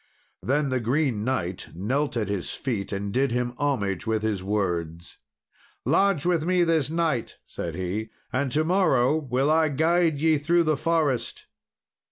Then the Green Knight knelt at his feet, and did him homage with his words. "Lodge with me this night," said he, "and to morrow will I guide ye through the forest."